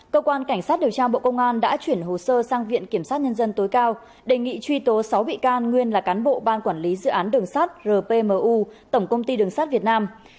cơ quan cảnh sát điều tra bộ công an đã chuyển hồ sơ sang viện kiểm sát nhân dân tối cao đề nghị truy tố sáu bị can nguyên là cán bộ ban quản lý dự án đường sắt rpmu tổng công ty đường sát việt nam